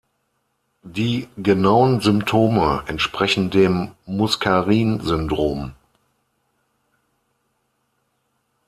Die genauen Symptome entsprechen dem Muskarin-Syndrom.